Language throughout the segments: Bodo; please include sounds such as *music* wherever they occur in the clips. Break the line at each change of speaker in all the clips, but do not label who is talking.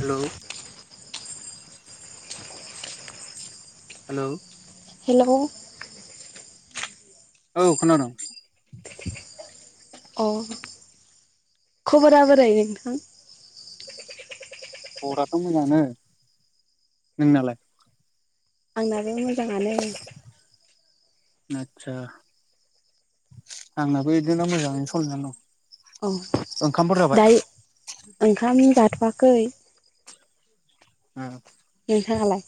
हेल' हेलौ
हेल'
औ खोनादोंं
अ खबरा बोरै नोंथां
खबराथ' मोजाङानो नोंनालाय
आंनाबो मोजाङानो
आतसा आंनाबो बिदिनो मोजाङैनो सलिनानै दं।
औ
ओंखामफोर जाबाय
दा ओंखाम जाथ' बागै
*unintelligible*
नोंथांङालाय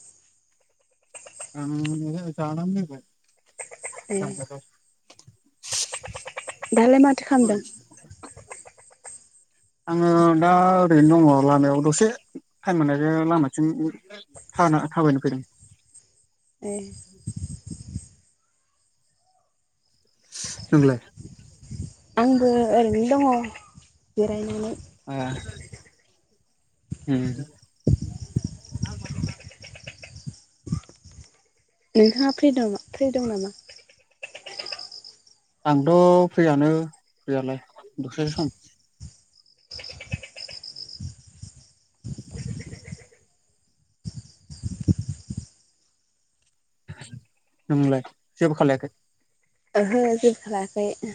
*unintelligible*
दालाइ माथो खालाम दों
आङो दा ओरैनो दङ लामायाव दसे टाइम मोननायजों लामाथिं थाना थाबायनो फैदों।
ए
नोंलाय
आंबो ओरैनो दङ' जिरायनानै
ए उम
नोंथाङा फ्रि दं फ्रि दं नामा?
आंथ' फ्रियानो दालाय दसे सम नोंलाय जेबो खालायाखै
ओहो जेबो खालायाखै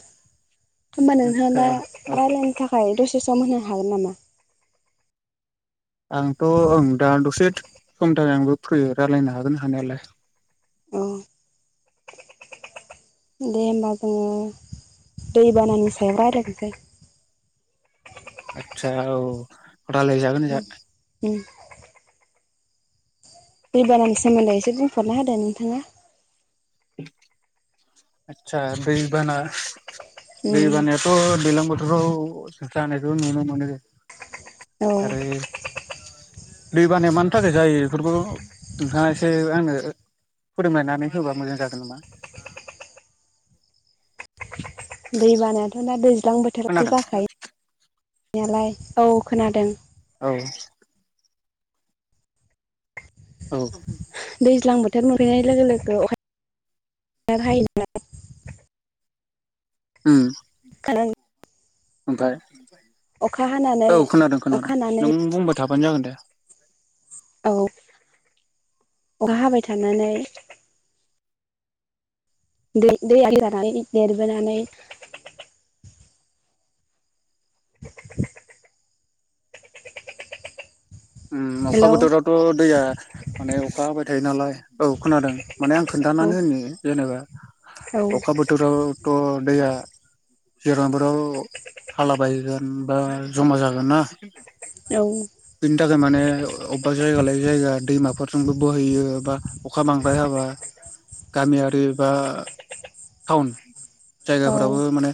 होनबा नोंथांआ
आदसा
दा
औ औ
रायलायनो थाखाय दसे सम होनो हागोन नामा?
आंथ' ओं दा दसे सम थाखाय आंबो फ्रि रायलायनो हागोन हानायालाय
औ दे होमबा जोङो दै बानानि सायाव रायलायनोसै
आतसा औ रायज्लाय जागोन
दैबानानि सोमोन्दै एसे बुंफोरना होदो नोंथाङा?
आतसा दैबाना दै
उम
बानायाथ' दैलां राव जानायखौ नुनो मोनो
औ
आरो दै बानाया मानि थाखाय जायो बेफोरखौ नोंथाङा एसे आंनो फोरोंलायनानै होबा मोजां जागोन नामा?
दै बानायाथ' दा दैज्लां बोथोरावाथ'
खोनादों
जाखायो। नायालाय औ खोनादों।
औ। औ।
दैज्लां बोथोर मोनफैनाय लोगो लोगो अखा हायो ना।
ओम।
*inaudible*
ओमफ्राय
अखा हानानै
औ खोनादों
अखा
खोनादों
हानानै
नों बुंबा थाबानो जागोन दे।
औ अखा हाबाय थानानै दै दै *unintelligible* देरबोनानै
ओम अखा
हेलौ
बोथोरावथ' दैया माने अखा हाबाय थायो नालाय औ खोनादों माने आं खोन्थानो
औ
मानो होनो जेनेबा
औ
अखा बोथोरावथ' दैया जिरांफोराव हाला बायगोन बा जमा जागोन ना।
औ।
बेनि थाखाय माने अबेबा जायगा लायै जायगा दैमाफोरजोंबो बोहैयो बा अखा बांद्राय हाबा गामियारि बा टाउन
औ
जायगाफोराबो माने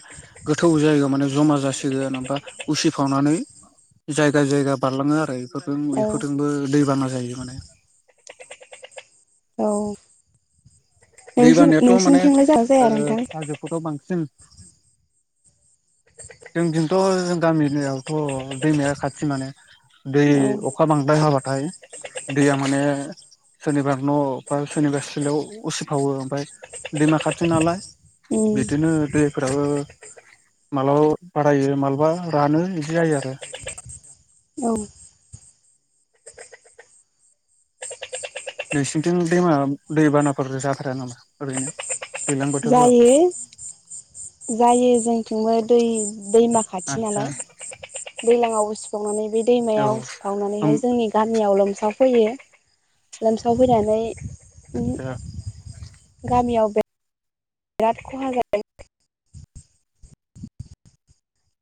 गोथौ जायगायाव माने जमा जासिगोन होनाबा उसिफावनानै जायगा जायगा बारलाङो आरो बेफोरजों
औ
बेफोरजोंबो दैबाना जायो माने
औ
दै
नोंसि
बानायाथ' माने
नोंसिनिथिं लाय जागोन ना
ओ
जाया नोंथां
हाजोफोराव बांसिन जोंनिथिंथ' जों गामिनियावथ' दैमाया खाथि माने दै
औ
अखा बांद्राय हाबाथाय दैया माने सोरनिबा न' बा सोरनिबा सिलायाव उसिफावो ओमफ्राय दैमा खाथि नालाय
उम
बिदिनो दैफोराबो माबलाबा बारायो मालाबा रानो बिदि जायो आरो।
औ
नोंसिनिथिं दैमा दैबानाफोर जाथारा नामा ओरैनो दैज्लां बोथोरफोराव
जायो जायो जोंथिंबो दै दैमा खाथि
आदसा
नालाय दैलाङाव उसिफावनानै बे
औ
दैमाया
होम
उसिफावनानैहाय जोंनि गामियाव लोमसाव साव फैयो लोमसाव फैनानै
आतसा
गामियाव बे बिराद खहा जादों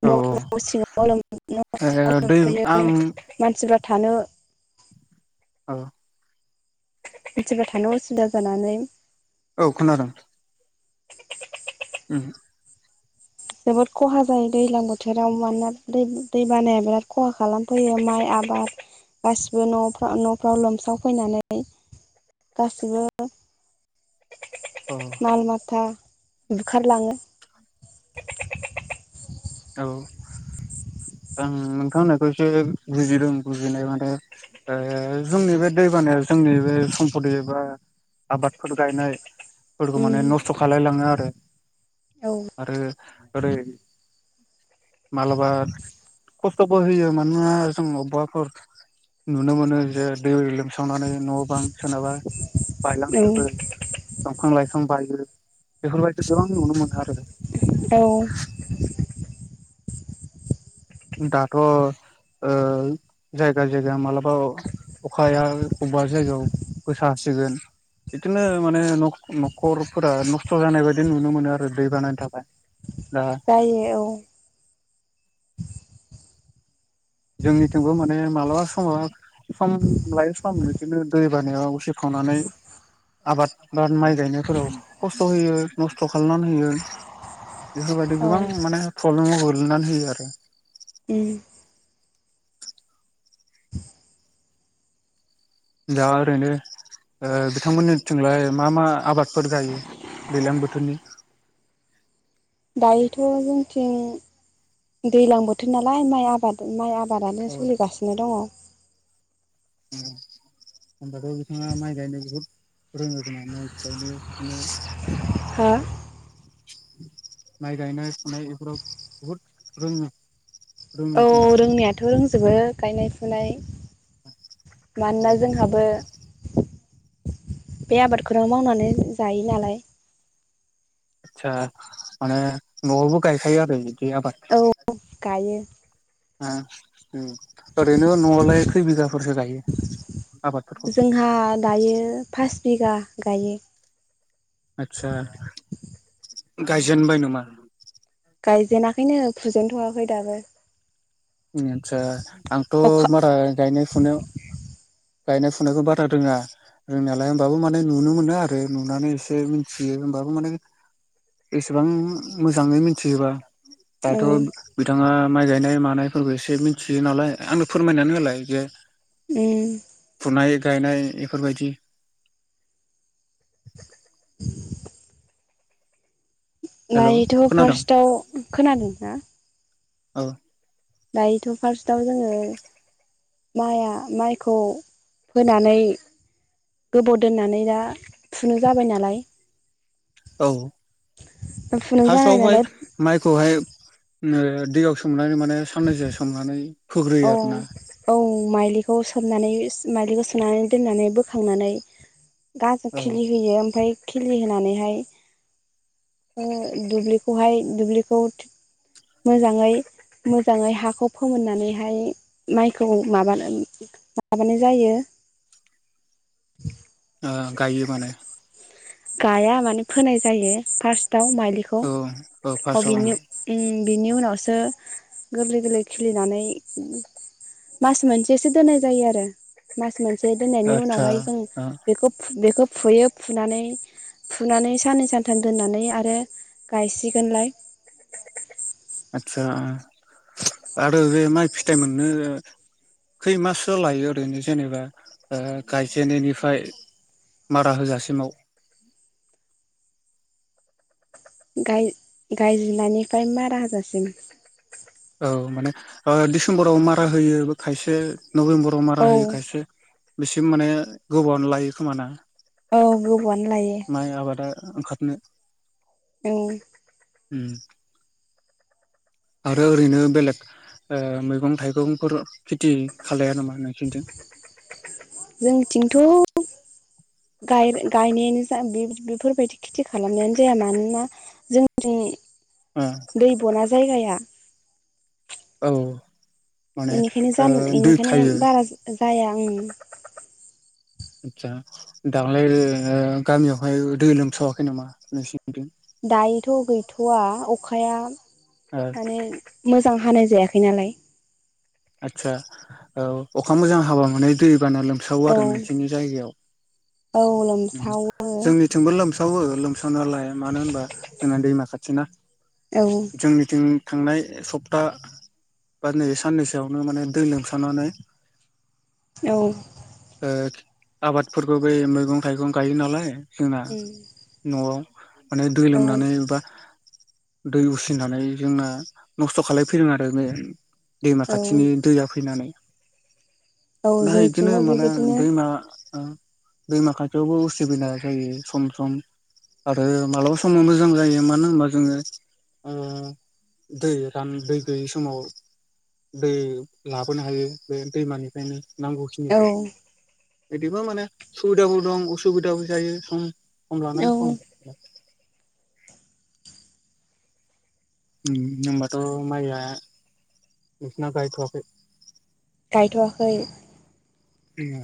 औ
न' सिङाव लोम न' सिङाव
औ दै आं
लोमफैयो मानसिफ्रा थानो
औ
मानसिफ्रा थानो उसुबिदा जानानै
औ खोनादोंं ओम
जोबोद खहा जायो दैज्लां बोथोराव मानोना दै दै बानाया बिराद खहा खालामफैयो माइ आ आबाद गासिबो न'फ्रा न'फ्राव लोमसाव फैनानै गासैबो
औ
माल माथा बुखारलाङो।
औ।
*inaudible*
आं नोंथां होननायखौसो बुजिदों बुजिनाय माने ओ जोंनि बे दैबानाया। जोंनि बे सम्पति एबा आबादफोर गायनाय फोरखौ माने
उम
नस्थ' खालायलाङो आरो।
औ
आरो आरो मालाबा खस्थ'बो होयो मानो ना जों अबबाफोर नुनो मोनो जे दै लोमसावनानै न' बां सोरनाबा बायलांजोबो
औ
दंफां लाइफां बायो बेफोरबायदि गोबां नुनो मोनो आरो
औ
दाथ' ओ जायगा जायगा मालाबा अ अखाया अबेबा जायगायाव गोसा हासिगोन बिदिनो माने नख - न'खरफोरा नस्थ' जानाय बादि नुनो मोनो आरो दै बानानि थाखाय दा
जायो औ
जोंनिथिंबो माने मालाबा समावहा सम लायै सम बिदिनो दै बानायाव उसिफावनानै आबादफोरा माइ गायनायफोराव खस्थ' होयो नस्थ' खालामनानै होयो बेफोरबायदि
औ
गोबां माने प्रब्लेमाव गोलैनानै होयो आरो
उम
दा आरैनो ओ बिथांमोननिथिंलाय मा मा आबादफोर गायो दैलां बोथोरनि
*inaudible* दायोथ' जोंथिं दैलां बोथोर नालाय माइ आबाद माइ आबाद बादानो
औ
सोलिगासिनो दङ' *inaudible*
होनबाथ' बिथाङा माइ गायनो बुहुद रोङो खोमा माइ गायनो फुनो
हो
माइ गायनाय फुनाय बेफोराव बुहुद रोङो रोङो
औ
खोमा
रोंनायाथ' रोंजोबो गायनाय फुनाय
औ
मानोना जोंहाबो बे आबादखौनो मावनानै जायो नालाय
आतसा माने नआवबो गायखायो आरो आबाद
औ गायो
*unintelligible* उम ओरैनो नआवलाय खै बिगाफोरसो गायो आबादफोरखौ
जोंहा दायो फास बिगा गायो
आदसा गायजेनबाय नामा
गायजेनाखैनो फुजेनथ'आखै दाबो
ओम आतसा आंथ'
अखा
बारा गायनाय फुनायाव गायनाय फुनायखौ बारा रोङा रोंनायालाय होमबाबो माने नुनो मोनो आरो नुनानै एसे मिनथियो बाबो माने एसेबां मोजाङै मिन्थिजोबा
औ
दाथ' बिथाङा माइ गायनाय मानाय फोरबो एसे मिथियो नालाय आंनो फोरमायनानै होलाय जे
उम
माइ गायनाय इफोरबायदि हेल'
नायोथ'
खोनादों
फार्स्टआव खोनादों ना
औ
दायोथ' फार्स्टआव जोङो माइआ माइखौ फोनानै गोबाव दोननानै दा फुनो जाबाय नालाय
औ
फुनो जाबाय
फार्स्टआवहाय
नालाय
माइखौहाय ओ दैयाव सोमनानै माने साननैसो सोमनानै
औ
फोग्रोयो आरो ना
औ माइलिखौ सोमनानै माइलिखौ सुनानै दोननानै बोखांनानै गाजा
औ ओ
खिलि होयो ओमफाय खिलि होनानैहाय ओ दुब्लिखौहाय दुब्लिखौ मोजाङै-मोजाङै हाखौ फोमोननानै हाय माइखौ माबानानै माबानाय जायो *inaudible*
गायो माने
गाया माने फोनाय जायो फार्स्टआव माइलिखौ
औ औ
अ
फार्स्टआव
बिनि
ओं
बिनि उनावसो गोरलै गोरलै खिलिनानै मास मोनसेसो दोननाय जायो आरो म मोनसे जे दोननायनि
आदसा
उनावहाय जों
ओ
बेखौ बेखौ फुयो फुनानै फुनानै साननै सानथाम दोननानै आरो गायसिगोनलाय *unintelligible*
आदसा आरो बे माइ फिथाइ मोननो खैमाससो लायो ओरैनो जेनेबा गायजेननायनिफ्राय मारा होजासिमाव
*inaudible* गायजनायनिफ्राय मा राहाजासिम
औ माने डिसेम्बराव मारा होयो खायसे नभेम्बराव मारा
औ
होयो खायसे बिसिम माने गोबावनो लायो खोमाना
औ गोबावआनो लायो
ओंखाराथनो
औ
उ आरो ओरैनो बेलेग मैगं थाइगंफोर खेथि खालाया नामा नों खिन्जों
जोंथिंथ' गायनायानो जा बेफोरबायदि खेथि खालामनायानो जाया मानोना जोंनि
ओ
दै बना जायगाया
औ माने
बेनिखायनो
ओ
ज
दै थायो
बेनिखायनो बारा जाया आं
आदसा दां्लाय गामियावहाय दै लोमसावाखै नामा नोंसिनिजों
दायोथ' गैथ'वा अखाया
ओ
माने मोजां हानाय जायाखै नालाय
आतसा औ अखा मोजां हाबा मोननाय दै गोबाना लोमसावो
औ
आरो नोंसिोरनि जायगायाव
औ लोमसावो
जोंनिथिंबो लोमसावो लोमसाव नालाय मानो होनबा जोंना दैमा खाथि
औ
जोंनिथिं थांनाय सप्ता बा नैबे साननैसो बेयावनो माने दै लोमसानानै
औ
आबादफोरखौबोै मैगं थाइगं गायो नालाय जोंना नआव माने दै
औ
लोमनानैबा दै उसिनानै जोंना नस्थ खालायफैदों आरो बे दैमा
औ
खाथिनि दैया फैनानै
औ
दा बिदिनो
जोंथिंबो
मालाय
बेबायदिनो
दैमा दै माखासेयावबो उसुबिदा जायो सम सम आरो मा्लाबा समाव मोजां जायो मानो होनबा जोङो दै रान दै गैयै समाव दै लाबोनो हायो बे दैमानिफ्रायनो
औ
नांगौखिनिखौ बिदिबा माने सुबिदाबो दं उसुबिदाबो जायो सम फन र
औ
न होनबाथ' माइ बिसना गायथवाखै
गायथवाखै
ए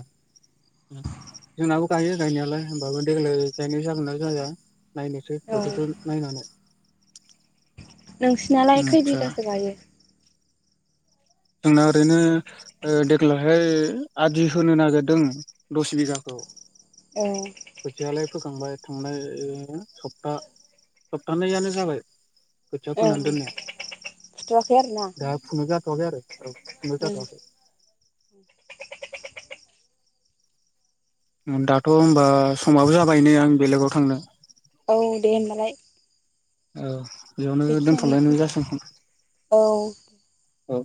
जोंनाबो गायो गायनायालाय होमबाबो देग्लाय गायनाय जागोनो ज जाया नायनोसै
औ
बोथोरखौ नायनानै
नोंसिनालाय खै
आदसा
बिगासो गायो?
जोंना ओरैनो ओ देग्लायहाय आदि होनो नागिरदों दस बिगाखौ। *inaudible*
उम।
खोथियालाय फोखांबाय थांनाय ओ सप्ता सप्थानैयानो जाबाय। खोथिया
औ
फोनानै दोननाया
फुथ'वाखै आरोना
दा फुनो जा थवाखै आरो औ फुनो
औ
जाथवाखै। ओम दाथ होनबा समाबो जाबाय नै आं बेलेगाव थांनो।
औ दे होनबालाय।
औ बेयावनो दोनथलायनाय जासि
औ
औ।